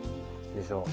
でしょ？